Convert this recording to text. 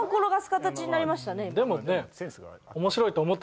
でもね。